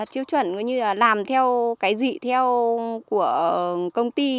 chiếu chuẩn như là làm theo cái gì theo của công ty